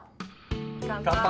乾杯。